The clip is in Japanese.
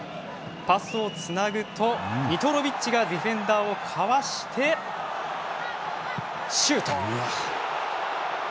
パスをつなぐとミトロビッチがディフェンダーをかわしてシュート！